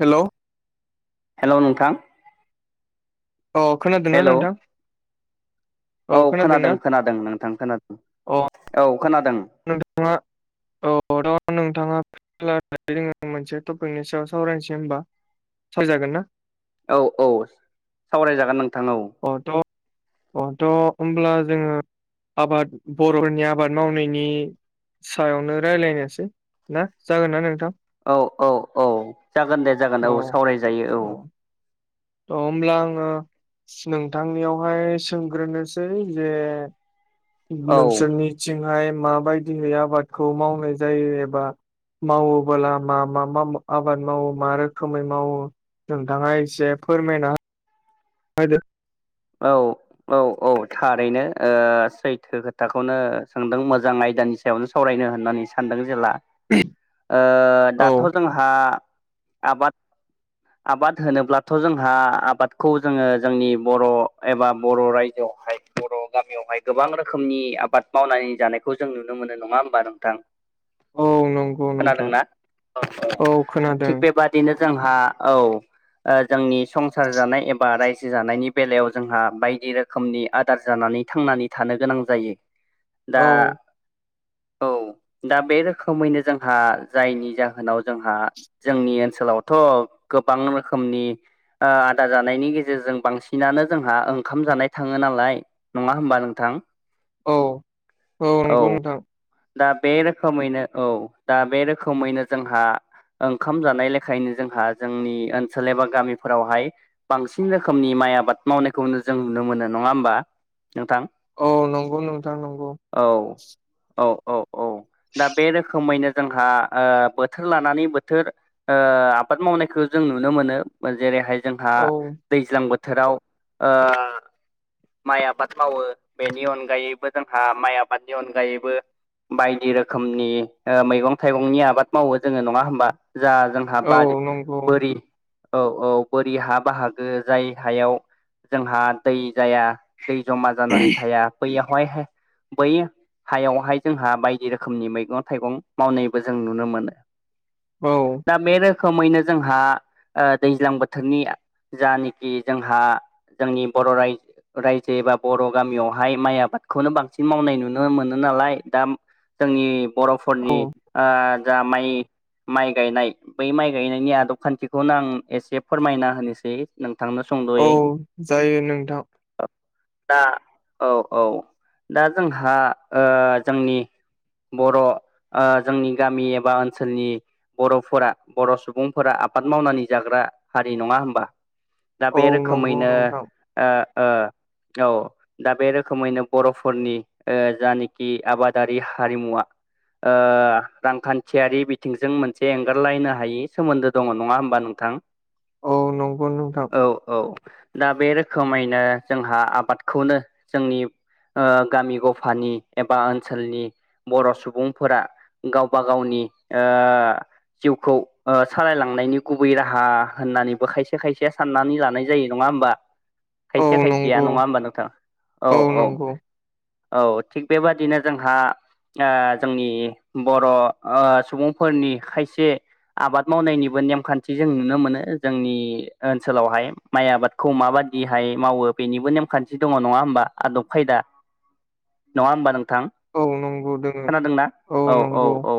Hello hello नोंथां औ खोनादोंना हेलौ नोंथां? औ खोनादों खोनादों नोंथां खोनादों, अ औ खोनादों। नोंथाङा औ नोंथाङा [inaudible] मोनसे टपिकनि सायाव सावरायनोसै होनबा सवराय जागोन ना? औ औ सावरायजागोन नोंथां औ। औ त' औ त' होनब्ला जोङो आबाद बर'नि आबाद मावनाय नि सायावनो रायलायनोसै ना जागोन ना नोंथां? औ औ औ जागोन दे जागोन औ सावरायजायो औ। त' होमब्ला आङो नोंथांनियावहाय सोंग्रोनोसै जे औ नोंसोरनिथिंहाय माबायदिहै आबादखौ मावनाय जायो एबा मावोबोला मा मा मा आबाद मावो मा रोखोमै मावो? नोंथाङा एसे फोरमायना होदो औ औ औ थारैनो ओ सैथो खोथाखौनो सोंदों मोजां आयदानि सायावनो सायावनो सावरायनो होननानै सानदों जेला औ दाथ' जोंहा आबाद आबाद होनोब्लाथ' जोंहा आबादखौ जोङो जोंनि बर' एबा बर' रायजोआवहाय बर' गामियावहाय गोबां रोखोमनि आबाद मावनानै जानायखौ जों नुनो मोनो नङा होमबा नोंथां औ नंगौ नोंथां खोनादोंना औ औ थिग बेबाद बिदिनो जोंहा औ ओ जोंनि संसार जानाय एबा रायजो जानायनि बेलायाव जोंहा बायदि रोखोमनि आदार जानानै थांनानै थानो गोनां जायो दा औ दा बे रोखोमैनो जोंहा जायनि जाहोनाव जोंहा जोंनि ओनसोलावथ' गोबां रोखोमनि ओ आदा जानायनि गेजेरजों बांसिनानो जोंहा ओंखाम जानाय थाङो नालाय नङा होमबा नोंथां औ औ नंगौ नोंथां। दा बे रोखोमैनो औ दा बे रोखोमैनो जोंहा ओंखाम जानाय लेखायनो जोंहा जोंनि ओनसोल एबा गामिफोरावहाय बांसिन रोखोमनि माइ आबाद मावनायखौनो जों नुनो मोनो नङा होमबा नोंथां औ नंगौ नोंथां नंगौ औ औ औ औ दा बे रोखोमैनो जोंहा ओ बोथोर लानानै बोथोर ओ आबाद मावनायखो जों नुनो मोनो जेरैहाय जोंहा औ दैज्लां बोथोराव ओ माइ आबाद मावो बेनि अनगायैबो जोंहा माइ आबादनि अनगायैबो बायदि रोखोमनि ओ मैगं ओ थाइगंनि आबाद मावो जोङो नङा होमबा जा जों हा औ बारि नंगौ बोरि औ औ बोरि हा बाहागो जाय हायाव जोंहा दै जाया दै जमा जानानै थाया बैयावहाय बै हायावहाय जोंहा बायदि रोखोमनि मैगं थाइगं मावनायबो जों नुनो मोनो औ दा बे रोखोमैनो जोंहा ओ दैज्लां बोथोरनि जानोखि जोंहा जोंनि बर' रायजो रायजो एबा बर' गामियावहाय माइ आबादखौनो बांसिन मावनाय नुनो मोनो नालाय दा जोंनि औ बर'फोरनि ओ जा माइ माइ गायनाय बै माइ गायनायनि आदब खान्थिखौनो आं एसे फोरमायना होनोसै नोंथांनो औ सुंद'यै जायो नोंथां औ दा औ औ दा जोंहा ओ जोंनि बर' ओ जोंनि गामि एबा ओनसोलनि बर'फोरा बर' सुबुंफोरा आबाद मावनानै जाग्रा हारि नङा होमबा दा औ बे नंगौ रोखोमैनो नोंथां ओ ओ औ दा बे रोखोमैनो बर'फोरनि ओ जानाखि आबादारि हारिमुवा ओ रांखान्थियारि बिथिंजों मोनसे एंगारलायनो हायि सोमोन्दो दङ नङा होमबा नोंथां औ नंगौ नोंथां औ औ दा बे रोखोमैनो जोंहा आबादखौनो जोंनि ओ गामि गफानि एबा ओनसोलनि बर' सुबुंफोरा गावबा गावनि ओ जिउखौ ओ सालायलांनायनि गुबै राहा होननानैबो खायसे खायसे साननानै लानाय जायो नङा होमबा औ खायसेया खायसेया नंगौ नङा होमबा नोंथां औ औ औ थिग बेबादिनो जोंहा ओ जोंनि बर'ओ सुबुं फोरनि खायसे आबाद मावनायनिबो नेमखान्थि जों नुनो मोनो जोंनि ओनसोलावहाय माइ आबादखौ माबाददिहाय मावो बेनिबो नेमखान्थि दङ नङा होमबा आदब खायदा नङा होमबा नोंथां औ नंगौ दोङो खोनादोंना औ औ औ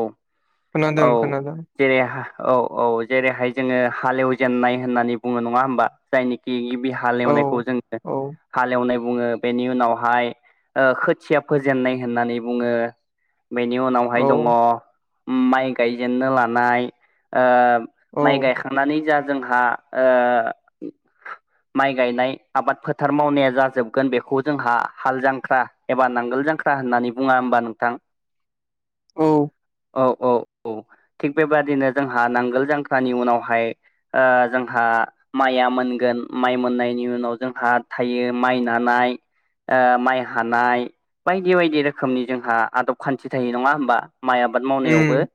खोनादों खोनादों जेरैहा औ औ जेरैहाय जोंङो हालेवजेननाय होननानै बुङो नङा होमबा जायनिखि गिबि औ हालेवनायखौ जोंङो औ हालेवनाय बुङो बेनि उनावहाय ओ खोथिया फोेजेननाय होननानै बुङो बेनि औ उनावहाय दङ माइ गायजेननो लानाय ओ औ माइ गायखांनानै जा जोंहा ओ [inaudible] माइ गायनाय आबाद फोथार मावनाया जाजोबगोन बेखौ जोंहा हाल जांख्रा एबा नांगोल जांख्रा होननानै बुङा होमबा नोंथां औ औ औ औ थिग बेबादिनो जोंहा नांगोल जांख्रानि उनावहाय ओ जोंहा माया मोनगोन माइ मोननायनि उनाव जोंहा थायो माइ नानाय ओ माइ हानाय बायदि बायदि रोखोमनि जोंहा आदब खान्थि थायो नङा होमबा माइ आ आबाद मावनायावबो उम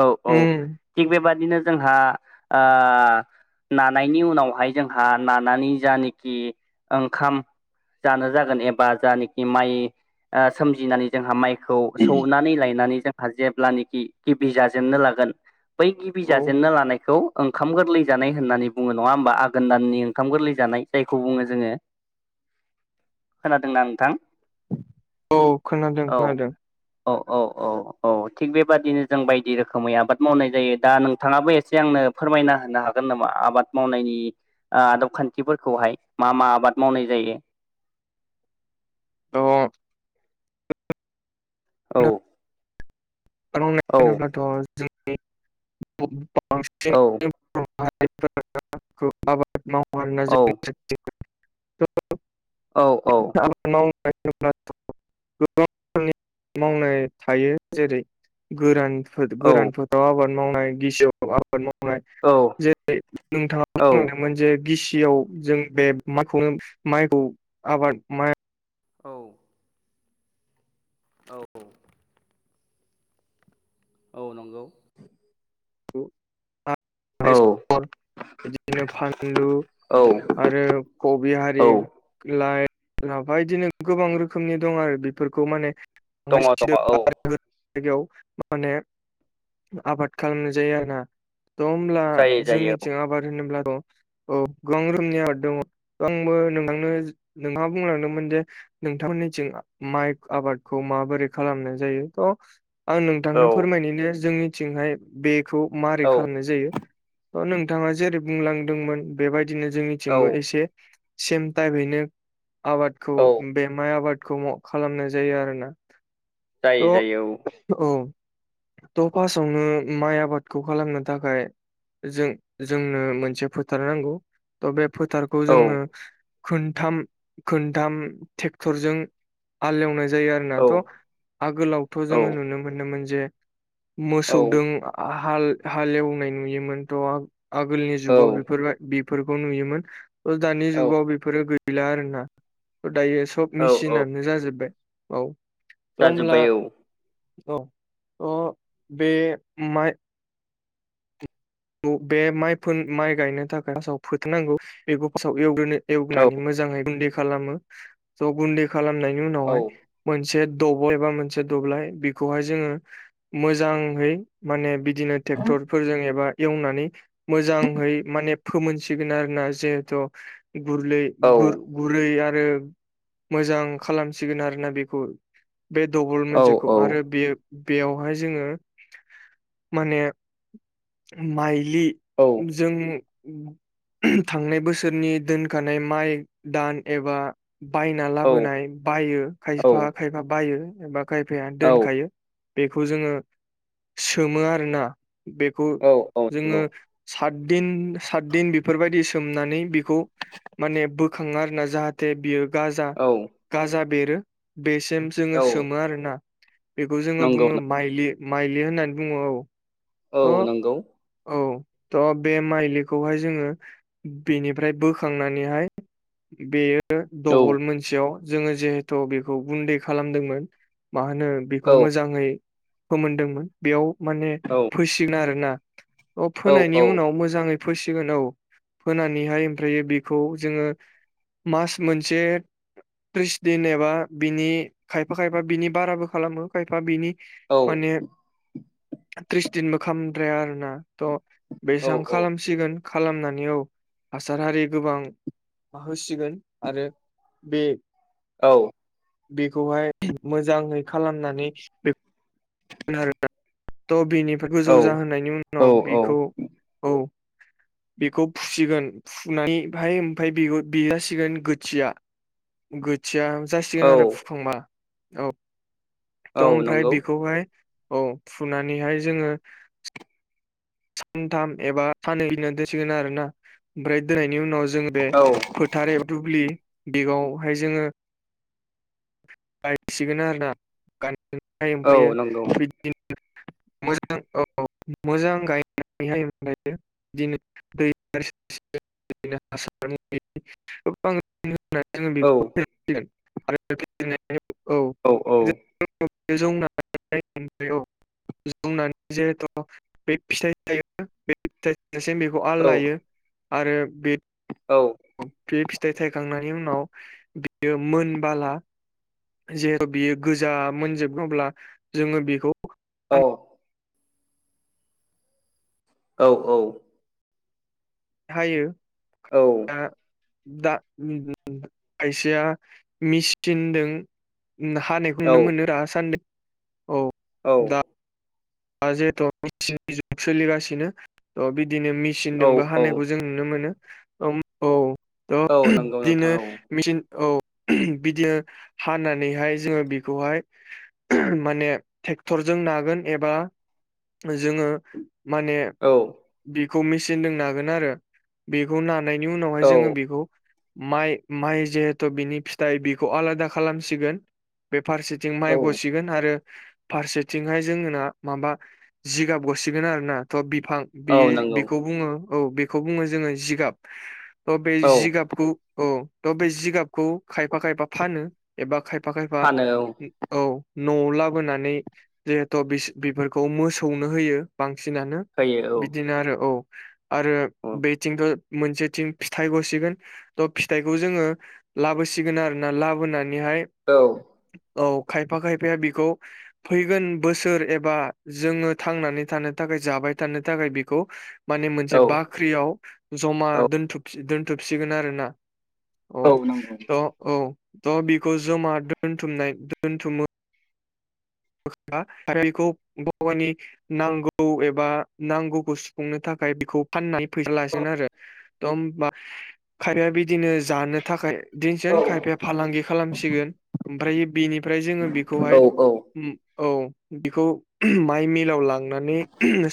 औ औ उम थिग बेबादिनो जोंहा ओ नानायनि उनावहाय जोंहा नानानै जानोखि ओंखाम जानो जागोन एबा जानोखि माइ सोमजिनानै जोंहा माइखौ सौनानै लायनानै जोंहा जेब्लानखि गिबि जाजेननो लागोन बै गिबि औ जाजेनना लानायखौ ओंखाम गोरलै जानाय होननानै बुङो नङा होमबा आघोन दाननि ओंखाम गोरलै जानाय जायखौ बुङो जोंङो [inaudible] खोनादोंना नोंथां औ खोनादों औ खोनादों औ औ औ औ थिग बेबादिनो जों बायदि रोखोमै आबाद मावनाय जायो दा नोंथाङाबो एसे आंनो फोरमायना होनो हागोन नामा आबाद मावनायनि आदब खान्थिफोरखौहाय मा मा आबाद मावनाय जायो द औ औ होनोब्लाथ' जों बांसिन औ औ औ [unintelligible] [unintelligible] [unintelligible] गोरान औ गोरानफोराव आबाद मावनाय गिसियाव आबाद मावनाय औ जेरै नोंथाङा बुंलांदों मोनसे गिसियाव जों बे माइखौनो माइखौ आबाद मा औ औ औ नंगौ बा औ बेसर बिदिनो फानलु औ आरो कबि हारि औ लाइ लाफा इदिनो गोबां रोखोमनि दं आरो बेफोरखौ माने दङ दङ औ जायगायाव माने आबाद खालामनो जे आरोना थ' होमब्ला जायो जायो जोंनिथिं आबाद होनोब्लाथ' औ गोबां रोखोमनि आबाद दङ आंबो नोंथांनो नोंथाङा बुंलांदोंमोन जे नोंथांमोननिथिं माइ आबादखौ माबोरै खालामनाय जायो थ' आं औ नोंथांनो फोरमायनो जोंनिथिंहाय बेखौ मारै औ खालामनाय जायो थ' नोंथाङा जेरै बुंलांदोंमोन बेबायदिनो औ जोंनिथिंबो एसे सेम टाइपैनो आबादखौ औ बे माइ आबादखौ खालामनाय जायो आरोना जायो थ' जायो औ थ' फासावनो माइ आबादखौ खालामनो थाखाय जों जोंनो मोनसे फोथार नांगौ। थ' बे फोथारखौ औ जोङो खोनथाम खोनथाम ट्रेक्टरजों हालेवनाय जायो आरोना औ थ' आगोलावथ' औ जोङो नुनो मोनोमोन जे औ मोसौदों हाल हालेवनाय नुयोमोनथ' आगोलनि जुगाव औ बेफोरबाय बेफोरखौ नुयोमोन त दानि औ जुगाव बेफोरो गै गैला आरोना दायो सब औ औ मेचिनानो जाजोबबाय औ त होनब्ला जाजोब्बाय अ बे मा बे माइ फो माइ गायनो थाखाय फासाव फोथोनांगौ बेखौ फासाव एवग्रोनो औ एवनानै मोजाङै गुन्दै खालामो स' गुन्दै खालामनायनि औ उनावहाय मोनसे दब' एबा मोनसे दब्लाय बेखौहाय जोंङो मोजाङै माने बिदिनो ट्रेक्टरफोरजों एबा एवनानै मोजांहै माने फोमोनसिगोन आरो ना जिहेथु गुरलै औ गुरै आरो मोजां खालामसिगोन आरोना बेखौ बे दबल औ मोनसेखौ आरो बेयो बेयावहाय जोङो माने माइलि जों थांनाय बोसोरनि दोनखानाय माइ दान एबा बायना लाबोनाय बायो खायफा खायफा बायो एबा खायफाय दोनखायो बेखौ जोङो सोमो आरोना बेखौ औ औ। जोङो सतदिन सातदिन बेफोरबायदि सोमनानै बेखौ माने बोखाङो आरो ना जाहाथे बियो गाजा गाजा बेरो बेसिम औ जोङो सोमो आरोना। बेखौ जोङो नंगौ बुंङो माइलि माइलि होननानै बुंङो औ। औ थ' नंगौ। औ त' बे माइलिखौहाय जोङो बेनिफ्राय बोखांनानैहाय बेयो औ नंगौ दबल मोनसेयाव जोङो जिहेथु बेखौ गुन्दै खालामदोंमोन मा होनो औ बेखौ मोजाङै फोमोनदोंमोन बेयाव माने औ फोसिगोन आरोना अ औ फोनायनि उनाव मोजाङै फोसिगोन औ फोनानैहाय ओमफ्रायो बेखौ जोङो मास मोनसे त्रिस दिन एबा बिनि खायफा खायफा बिनि बाराबो खालामो खायफा बिनि माने त्रिस दिनबो खालामद्राया आरोना थ' बेसां औ खालामसिगोन खालामनानै औ हासार हारि गोबां होसिगोन आरो बे औ। बेखौहाय मोजाङै खालामनानै आरोना थ' बिनिफ्राय गोजौ औ औ जाहोनायनि औ उनाव औ बेखौ औ। बेखौ फुसिगोन फुनानैहाय ओमफ्राय बेगुद बे जासिगोन गोथिया गोथिया औ जासिगोन आरो फुखांबा औ औ त' ओमफ्राय नंगौ बेखौहाय औ फुनानैहाय जोङो सानथाम एबा सानैैनो दोनसिगोन आरोना ओमफ्राय दोननायनि उनाव जों बे औ फो थार ए दुब्लि बेगावहाय जोङो गायसिगोन आरोना। गान ओमफ्राय औ ओमफ्रायो नंगौ बि [unintelligible] औ मोजां गाय [unintelligible] [unintelligible] [unintelligible] औ [unintelligible] औ औ औ जिहेथु बे फिथाइ बे फिथ [unintelligible] सिम बेखौ आल औ लायो आरो बे औ बे फिथाइ थायखांनायनि उनाव बियो मोनबाला जिहेथु बियो गोजा मोनजोबनोब्ला जोङो बेखौ औ औ औ। हायो दा दा [unintelligible] खायसेया मिसथिनदों उम हानायखौ नुनो मोनो रा सान्दों औ। औ। दा जिहेथु मिचननि जुग सोलिगासिनो थ' बिदिनो मि औ सिनदोंबो औ हानायखौ जों नुनो मोनो औ थ' औ नंगौ नोंथां बिदिनो मेचिन औ बिदिनो हानानैहाय जोङो बेखौहाय माने ट्रेक्टरजों नागोन एबा जोङो माने औ बेखौ मेचिनजों नागोन आरो बेखौ नानायनि औ उनावहाय जोङो बेखौ माइ माइ जिहेथु बिनि फिथाइ बेखौ आलादा खालामसिगोन बेफारसि थिं माइ औ गसिगोन आरो फारसेथिंहाय जोंना माबा जिगाब गसिगोन आरोना थ' बिफां औ बे नंगौ बेखौ बुङो औ बे खौ बुङो जोङो अ जिगाब बे औ जिगाबखौ औ द' बे जिगाबखौ खायफा खायफा फानो एबा खायफा खायफा फानो औ औ न'आव लाबोनानै जिहेथ बेफोरखौ मोसौनो होयो बांसिनानो होयो बिदिनो आरो औ आरो औ बेथिंथ' मोनसेथिं फिथाइ गसिगोन थ' फिथाइखौ जोङो लाबोसिगोन आरोना लाबोनानैहाय औ औ खायफा खायफाया बेखौ फैगोन बोसोर एब बा जोङो थांनानै थानो थाखाय जाबाय थानो थाखाय बेखौ माने औ मोनसे बाख्रियाव जमा औ दोनथुब दोनथुबसिगोन आरो ना औ थ' औ बेखौ जमा दोनथुमनाय दोनथुमो [unintelligible] आरो बेखौ [unintelligible] नि नांगौ एबा नांगौखौ सुफुंनो थाखाय बेखौ फाननाय औ फैसाालासिगोन आरो थ ओमबा खायफाया बिदिनो जानो थाखाय औ दिनसोन औ खायफाया फालांगि खालामसिगोन ओमफ्र बिनिफ्राय जोङो बेखौहाय औ बेखौ माइ मिलाव लाङ नानै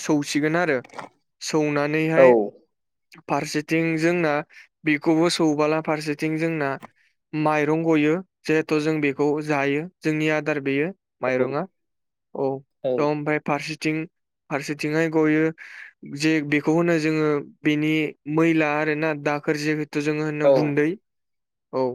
सौसिगोन आरो सौनानैहाय फारसेथिं जोंना बेखौबो सौबोला फारसेथिं जोंना माइरं गयो जिहेथु जों बेखौ जायो जोंनि आदार बेयो माइरङा औ थ ओमफ्राय फारसेथिं फारसेथिंहाय गयो जे बेखौ होनो जोङो बेनि मैला आरो ना दाखोर जे थ जोङो होनो औ गुन्दै औ